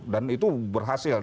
dan itu berhasil